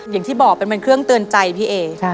อย่างที่บอกมันเป็นเครื่องเตือนใจพี่เอ